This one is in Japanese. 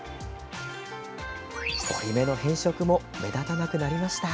折り目の変色も目立たなくなりました。